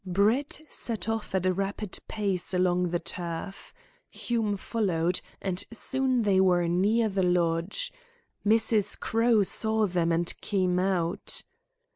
Brett set off at a rapid pace along the turf. Hume followed, and soon they were near the lodge. Mrs. Crowe saw them, and came out.